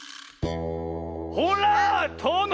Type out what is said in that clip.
ほらとの！